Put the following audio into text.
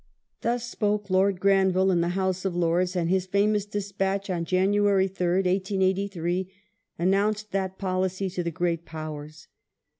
^ Thus spoke Lord Granville in the House of Lords, and his famous despatch on January 3rd, 1883, announced that policy to the great Powers.